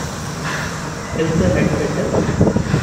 Is the head better?